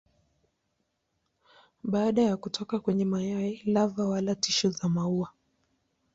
Baada ya kutoka kwenye mayai lava wala tishu za maua.